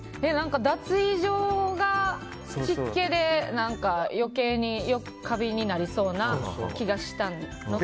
脱衣所が湿気で余計にカビになりそうな気がしたのと。